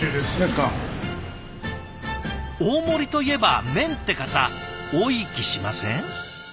大盛りといえば麺って方多い気しません？